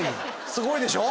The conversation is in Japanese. すごいでしょう。